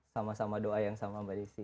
sama sama doa yang sama mbak desi